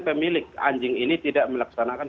pemilik anjing ini tidak melaksanakan